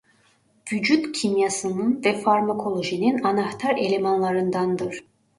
Vücut kimyasının ve farmakolojinin anahtar elemanlarındandır.